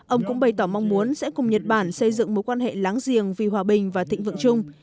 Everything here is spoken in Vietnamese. ông cũng bày tỏ mong muốn sẽ cùng nhật bản xây dựng mối quan hệ láng giềng vì hòa bình và thịnh vượng chung